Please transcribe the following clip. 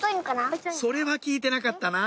それは聞いてなかったなぁ！